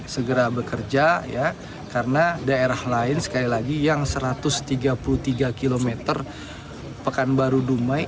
segera bekerja ya karena daerah lain sekali lagi yang satu ratus tiga puluh tiga km pekanbaru dumai